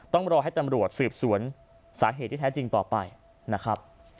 ต้องรอให้ตำรวจสืบสวนสาเหตุที่แท้จริงต่อไปนะครับ